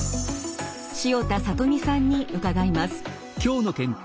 塩田智美さんに伺います。